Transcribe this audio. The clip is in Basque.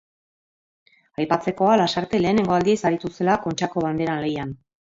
Aipatzekoa Lasarte lehenengo aldiz aritu zela Kontxako Banderan lehian.